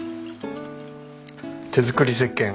手づくりせっけん。